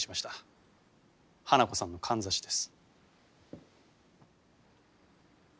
花子さんのかんざしです。